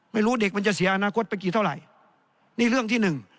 ไม่รู้เด็กมันจะเสียอนาคตไปกี่เท่าไหร่นี่เรื่องที่หนึ่ง